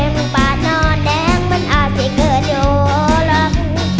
แข็งปาดหนอนแดงมันอาจเสือกเกิดอยู่ลึก